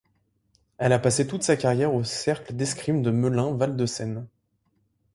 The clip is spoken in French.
Elle a passé toute sa carrière au cercle d'escrime de Melun Val de Seine.